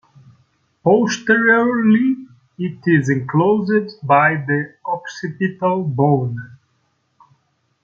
Posteriorly it is enclosed by the occipital bone.